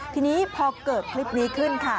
ทีนี้พอเกิดคลิปนี้ขึ้นค่ะ